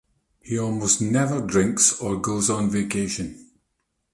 He almost never drinks or goes on vacation.